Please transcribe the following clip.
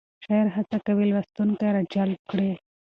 شاعر هڅه کوي لوستونکی راجلب کړي.